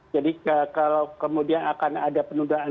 jadi kalau kemudian akan ada penundaan